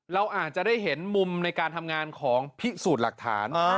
เราอาจจะได้เห็นมุมในการทำงานของพิสูจน์หลักฐาน